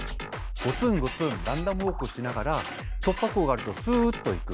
ゴツンゴツンランダムウォークしながら突破口があるとすっと行く。